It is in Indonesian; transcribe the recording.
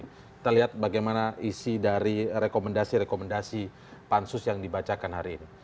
kita lihat bagaimana isi dari rekomendasi rekomendasi pansus yang dibacakan hari ini